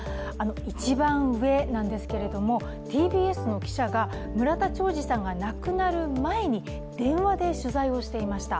一番上なんですけれども、ＴＢＳの記者が村田兆治さんが亡くなる前に電話で取材をしていました。